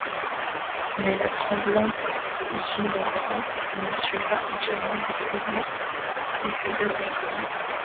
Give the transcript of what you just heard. Mais la tremblante Ginevra ne sut pas entièrement dépouiller les faiblesses de la femme.